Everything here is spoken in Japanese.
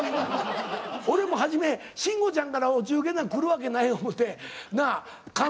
俺も初め慎吾ちゃんからお中元なんか来るわけない思てなあ缶